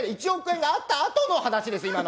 １億円があったあとの話です